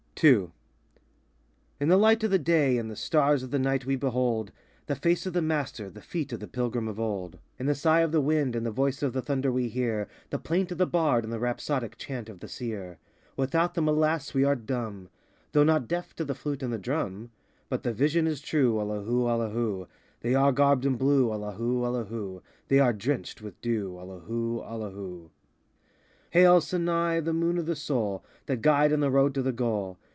II In the light of the day, in the stars of the night we behold The face of the Master, the feet of the Pilgrim of old; 79 In the sigh of the wind and the voice of the thunder we hear The plaint of the bard and the rhapsodic chant of the seer. Without them, alas, we are dumb, Though not deaf to the flute and the drum. But the vision is true, Allahu, Allahu! They are garbed in blue, Allahu, Allahu! They are drenched with dew, Allahu, Allahu! Hail, Sana'i a the Moon of the Soul, The Guide and the Road to the goal.